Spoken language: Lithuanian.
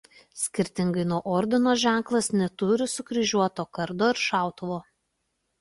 Skirtingai nuo ordino ženklas neturi sukryžiuotų kardo ir šautuvo.